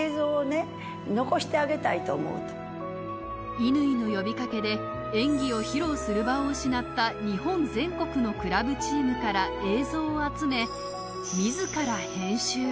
乾の呼びかけで演技を披露する場を失った日本全国のクラブチームから映像を集め自ら編集。